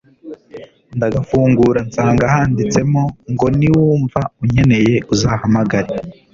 ndagafungura nsanga handitsemo ngo niwumva unkeneye uzahamagare